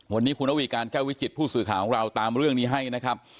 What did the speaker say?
วันนี้คุณระวีการแก้ววิจิตผู้สื่อข่าวของเราตามเรื่องนี้ให้นะครับ